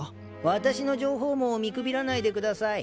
わたしの情報網を見くびらないでください。